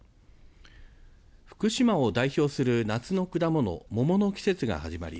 福島を代表する夏の果物、桃の季節が始まり